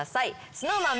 ＳｎｏｗＭａｎ